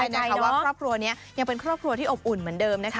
ใช่นะคะว่าครอบครัวนี้ยังเป็นครอบครัวที่อบอุ่นเหมือนเดิมนะคะ